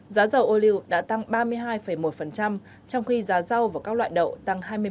giá dầu ô liu đã tăng ba mươi hai một trong khi giá rau và các loại đậu tăng hai mươi bảy tám trong năm